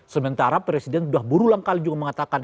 sementara presiden sudah berulang kali juga mengatakan